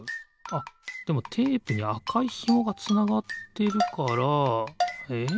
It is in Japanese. あっでもテープにあかいひもがつながってるからえっ？